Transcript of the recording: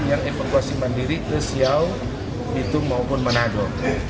yang evakuasi mandiri ke siau bitung maupun manado